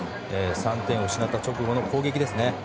３点を失った直後の攻撃ですね。